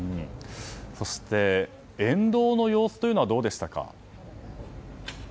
そして、沿道の様子というのはどうでしたか。